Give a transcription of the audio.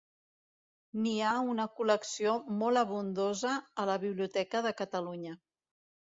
N'hi ha una col·lecció molt abundosa a la Biblioteca de Catalunya.